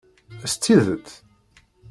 S tidet?